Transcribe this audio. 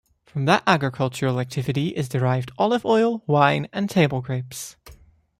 From that agricultural activity is derived olive oil, wine and table grapes.